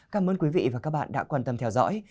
cảm ơn quý vị và các bạn đã quan tâm theo dõi